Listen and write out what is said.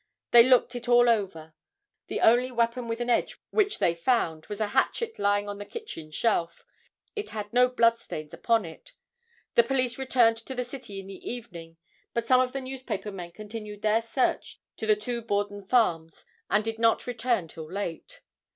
They looked it all over. The only weapon with an edge which they found was a hatchet lying on the kitchen shelf. It had no blood stains upon it. The police returned to the city in the evening, but some of the newspaper men continued their search to the two Borden farms and did not return till late.